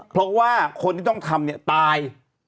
เพราะว่าคนที่ต้องทำเนี่ยตาย